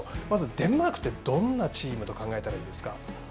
まず、デンマークってどんなチームって考えたらいいですか？